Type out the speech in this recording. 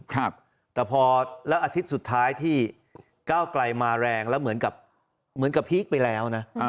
แต่พอแล้วอาทิตย์สุดท้ายที่ก้าวไกลมาแรงแล้วเหมือนกับเหมือนกับพีคไปแล้วนะ